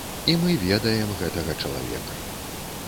І мы ведаем гэтага чалавека.